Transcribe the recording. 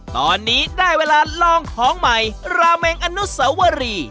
ตอนนี้ได้เวลาลองของใหม่ราเมงอนุสวรี